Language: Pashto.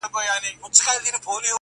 و سر لره مي دار او غرغرې لرې که نه-